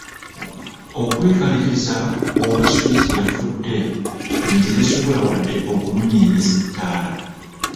Okwekaliriza oba switch yafudde nti tesobola wadde okumunyeenyesa ettaala?